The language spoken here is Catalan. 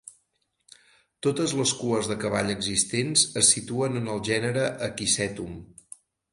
Totes les cues de cavall existents es situen en el gènere "Equisetum".